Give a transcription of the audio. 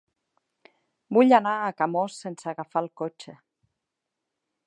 Vull anar a Camós sense agafar el cotxe.